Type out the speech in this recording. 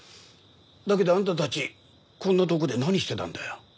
だけどあんたたちこんなとこで何してたんだよ。